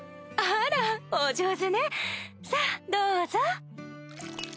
あらお上手ねさぁどうぞ。